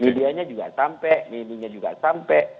midianya juga sampai milihnya juga sampai